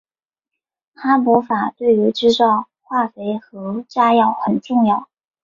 哈柏法对于制造化肥和炸药很重要。